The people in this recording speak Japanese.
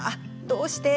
どうして！